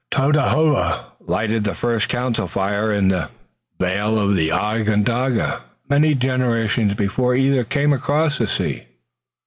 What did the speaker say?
Tododaho lighted the first council fire in the vale of Onondaga many generations before either came across the sea."